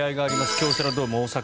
京セラドーム大阪。